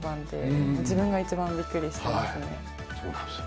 そうなんですよ。